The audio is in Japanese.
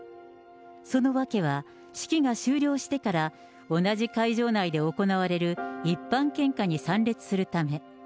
その訳は、式が終了してから、同じ会場内で行われる一般献花に参列するため。